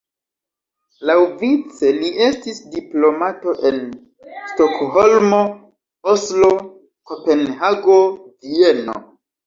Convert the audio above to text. Laŭvice li estis diplomato en Stokholmo, Oslo, Kopenhago, Vieno.